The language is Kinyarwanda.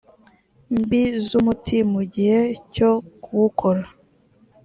mbi z umuti mu gihe cyo kuwukora